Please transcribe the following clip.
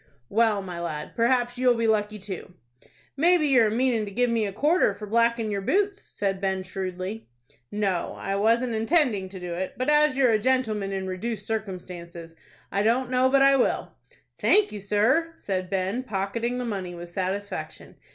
"Well, my lad, perhaps you'll be lucky too." "Maybe you're meanin' to give me a quarter for blackin' your boots," said Ben, shrewdly. "No, I wasn't intending to do it; but, as you're a gentleman in reduced circumstances, I don't know but I will." "Thank you, sir," said Ben, pocketing the money with satisfaction.